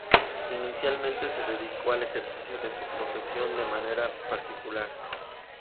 Inicialmente se dedicó al ejercicio de su profesión de manera particular.